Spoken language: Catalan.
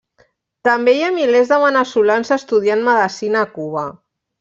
També hi ha milers de veneçolans estudiant medecina a Cuba.